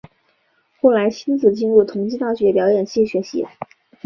后来馨子进入同济大学表演系学习。